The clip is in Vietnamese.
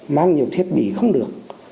mang nhiều thiết bị không được